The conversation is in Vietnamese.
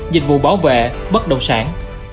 dịch vụ bảo vệ bất động sản